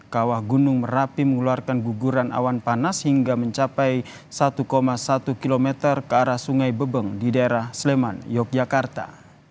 kawah gunung merapi mengeluarkan guguran awan panas hingga mencapai satu satu km ke arah sungai bebeng di daerah sleman yogyakarta